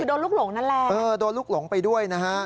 คือโดนลูกหลงนั่นแหละเออโดนลูกหลงไปด้วยนะฮะ